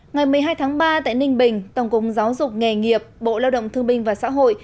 ngày một mươi hai tháng ba tại ninh bình tổng cục giáo dục nghề nghiệp bộ lao động thương binh và xã hội